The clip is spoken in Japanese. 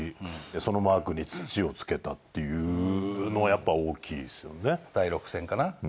そのマー君に土をつけたっていうのは、やっぱ大きいですよね。